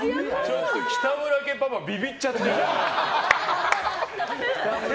北村家パパ、ビビっちゃってる。